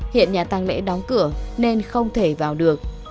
hiện nhà tăng mẽ đóng cửa nên không thể vào được